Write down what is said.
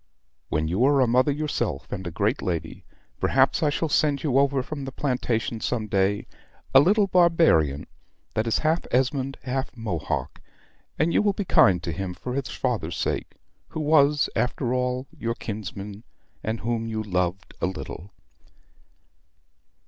When you are a mother yourself, and a great lady, perhaps I shall send you over from the plantation some day a little barbarian that is half Esmond half Mohock, and you will be kind to him for his father's sake, who was, after all, your kinsman; and whom you loved a little."